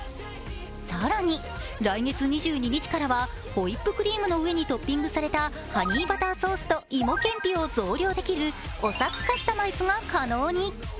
更に、来月２２日からはホイップクリームの上にハニーバターソースと芋けんぴを増量できるおさつカスタマイズが可能に。